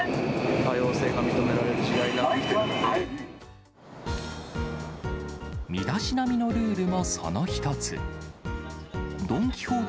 多様性が認められる時代にな身だしなみのルールもその１つ。